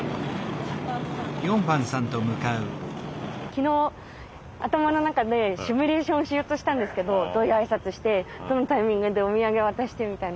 昨日頭の中でシミュレーションしようとしたんですけどどういう挨拶してどのタイミングでお土産渡してみたいな。